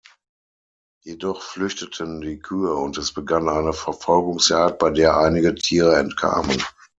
Jedoch flüchteten die Kühe und es begann eine Verfolgungsjagd, bei der einige Tiere entkamen.